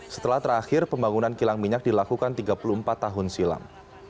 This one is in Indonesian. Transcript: setelah terakhir pembangunan kilang minyak dilakukan tiga puluh empat tahun silam